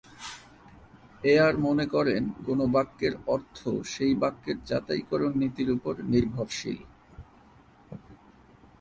Air মনে করেন, কোনো বাক্যের অর্থ সেই বাক্যের যাচাইকরণ নীতির উপর নির্ভরশীল।